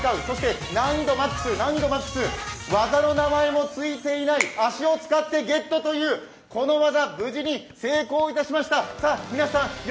そして難易度マックス技の名前もついていない足を使ってゲットというこの技、無事に成功いたしました。